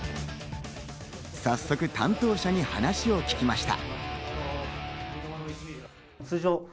早速担当者に話を聞きました。